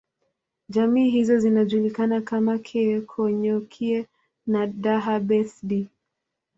Jamii hizo zinajulikana kama Keekonyokie na Daha Besdi